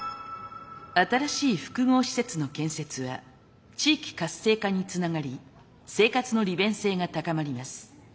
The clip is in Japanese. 新しい複合施設の建設は地域活性化につながり生活の利便性が高まります。